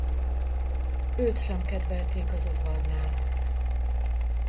Őt sem kedvelték az udvarnál.